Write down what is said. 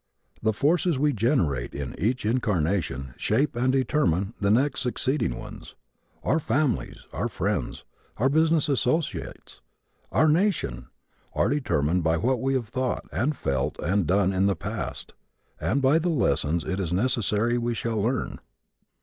The forces we generate in each incarnation shape and determine the next and succeeding ones. Our friends, our families, our business associates, our nation, are determined by what we have thought and felt and done in the past and by the lessons it is necessary we shall learn.